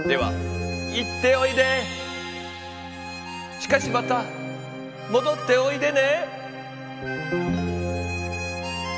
しかしまたもどっておいでね。